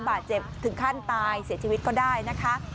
บาดเจ็บถึงขั้นตายเสียชีวิตก็ได้นะคะ